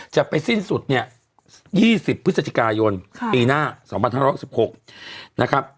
จะไปสิ้นสุดเนี่ย๒๐พฤศจิกายนปีหน้า๒๕๖๖นะครับ